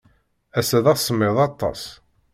Ass-a, d asemmiḍ aṭas.